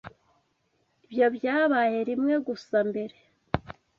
Ibyo byabaye rimwe gusa mbere.